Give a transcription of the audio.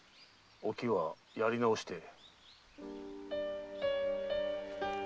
「お喜和やり直してえ」